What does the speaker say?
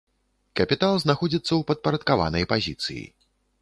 Капітал знаходзіцца ў падпарадкаванай пазіцыі.